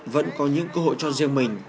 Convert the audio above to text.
vẫn có những cơ hội cho riêng mình